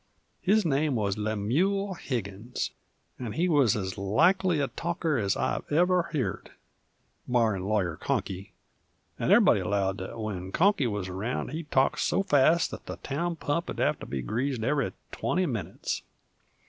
His name wuz Lemuel Higgins, 'nd he wuz ez likely a talker ez I ever heerd, barrin' Lawyer Conkey, 'nd everybody allowed that when Conkey wuz round he talked so fast that the town pump 'u'd have to be greased every twenty minutes.